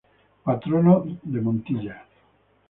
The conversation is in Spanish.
Patronos de Montilla